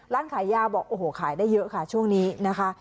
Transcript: ร้านขายยาบอกโอ้โหขายได้เยอะค่ะช่วงนี้นะคะ